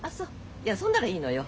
いやそんならいいのよ。